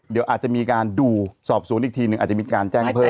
เดี๋ยวอาจจะมีการดูสอบสวนอีกทีหนึ่งอาจจะมีการแจ้งเพิ่ม